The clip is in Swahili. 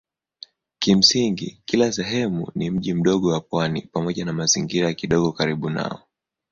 Kimsingi kila sehemu ni mji mdogo wa pwani pamoja na mazingira kidogo karibu nao.